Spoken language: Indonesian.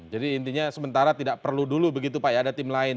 jadi intinya sementara tidak perlu dulu begitu pak ya ada tim lain